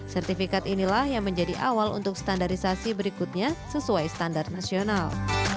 sertifikat inilah yang menjadi awal untuk standarisasi berikutnya sesuai standar nasional